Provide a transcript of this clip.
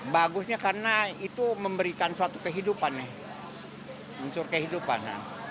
bagusnya karena itu memberikan suatu kehidupan nih unsur kehidupan